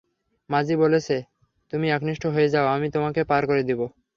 মাঝি বলছে, তুমি একনিষ্ঠ হয়ে যাও আমি তোমাকে পার করে দিব।